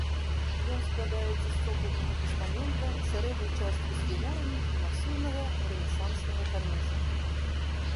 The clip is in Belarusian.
Ён складаецца з цокальнага пастамента, сярэдняй часткі з фігурамі і масіўнага рэнесанснага карніза.